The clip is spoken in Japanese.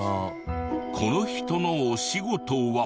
この人のお仕事は。